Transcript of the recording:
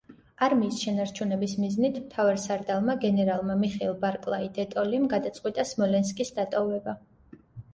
არმიის შენარჩუნების მიზნით მთავარსარდალმა გენერალმა მიხეილ ბარკლაი-დე-ტოლიმ გადაწყვიტა სმოლენსკის დატოვება.